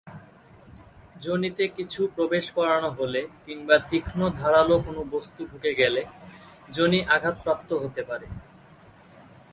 যোনিতে কিছু প্রবেশ করানো হলে কিংবা তীক্ষ্ণ ধারালো কোন বস্তু ঢুকে গেলে যোনি আঘাতপ্রাপ্ত হতে পারে।